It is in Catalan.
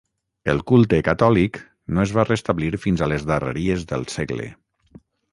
El culte catòlic no es va restablir fins a les darreries del segle.